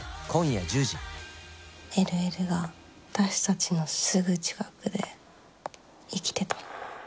ＬＬが私たちのすぐ近くで生きてた。